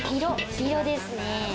黄色ですね。